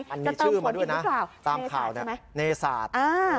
จะเติมผลอีกหรือเปล่าเนศาสตร์ใช่ไหมเนศาสตร์มันมีชื่อมาด้วยนะเนศาสตร์